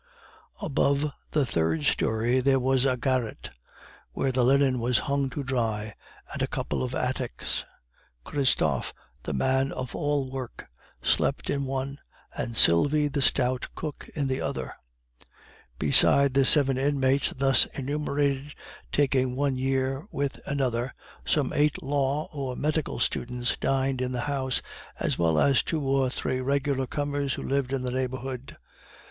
Above the third story there was a garret where the linen was hung to dry, and a couple of attics. Christophe, the man of all work, slept in one, and Sylvie, the stout cook, in the other. Beside the seven inmates thus enumerated, taking one year with another, some eight law or medical students dined in the house, as well as two or three regular comers who lived in the neighborhood.